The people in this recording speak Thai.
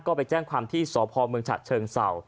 ก็ไปแจ้งความที่สพเชิงเซา